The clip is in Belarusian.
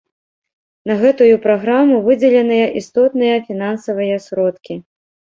На гэтую праграму выдзеленыя істотныя фінансавыя сродкі.